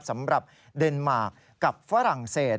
สำหรับเดนมาร์คกับฝรั่งเศส